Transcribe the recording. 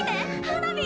花火！